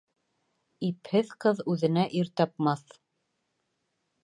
Ипһеҙ ҡыҙ үҙенә ир тапмаҫ.